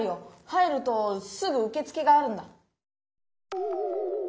入るとすぐうけつけがあるんだ。